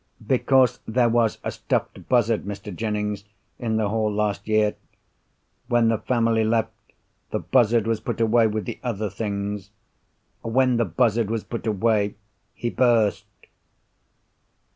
"Because there was a stuffed buzzard, Mr. Jennings, in the hall last year. When the family left, the buzzard was put away with the other things. When the buzzard was put away—he burst."